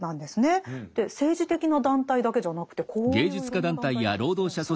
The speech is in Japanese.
政治的な団体だけじゃなくてこういういろんな団体なんですね。